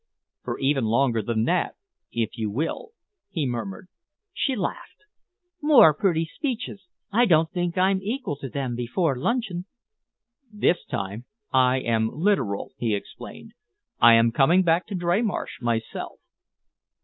"For even longer than that, if you will," he murmured. She laughed. "More pretty speeches? I don't think I'm equal to them before luncheon." "This time I am literal," he explained. "I am coming back to Dreymarsh myself."